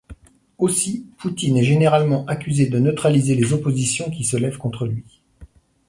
Aussi, Poutine est généralement accusé de neutraliser les oppositions qui se lèvent contre lui.